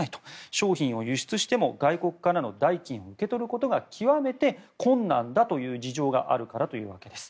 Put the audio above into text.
商品を輸出しても外国からの代金を受け取ることが極めて困難だという事情があるからというわけです。